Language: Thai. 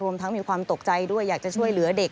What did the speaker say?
ทั้งมีความตกใจด้วยอยากจะช่วยเหลือเด็ก